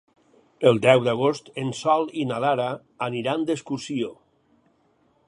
El deu d'agost en Sol i na Lara aniran d'excursió.